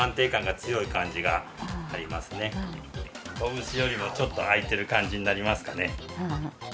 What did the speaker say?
こぶしよりもちょっと空いてる感じになりますかね。